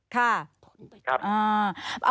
ครับ